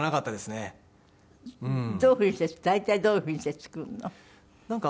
どういう風にして大体どういう風にして作るの？